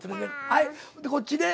はいこっちね。